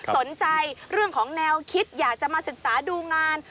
สนใจเรื่องของแนวคิดอยากจะมาศึกษาดูงาน